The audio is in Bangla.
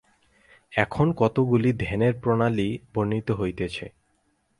এখন কতকগুলি ধ্যানের প্রণালী বর্ণিত হইতেছে।